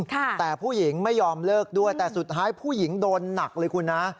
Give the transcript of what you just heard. แต่ผู้หญิงไม่ยอมเลิกด้วยแต่สุดท้ายผู้หญิงโดนหนักเลยคุณนะ